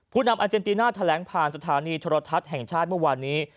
นำอาเจนติน่าแถลงผ่านสถานีโทรทัศน์แห่งชาติเมื่อวานนี้